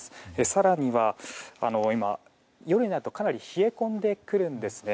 更には、夜になるとかなり冷え込んでくるんですね。